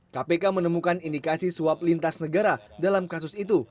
kpk menemukan indikasi suap lintas negara dalam kasus itu